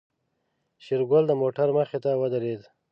شېرګل د موټر مخې ته ودرېد.